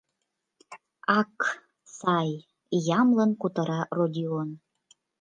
— Ак, сай, — ямлын кутыра Родион.